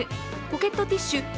ポケットティッシュ